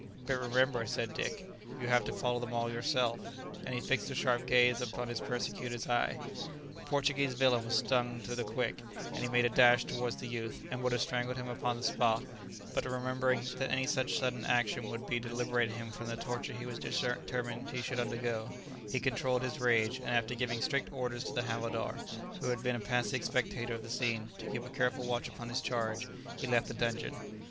"But remember," said Dick, "you have to follow them all yourself;" and he fixed a sharp gaze upon his persecutor's eye. The Portuguese villain was stung to the quick; he made a dash towards the youth, and would have strangled him upon the spot, but remembering that any such sudden action would be to liberate him from the torture he was determined he should undergo, he controlled his rage, and after giving strict orders to the havildar, who had been a passive spectator of the scene, to keep a careful watch upon his charge, he left the dungeon.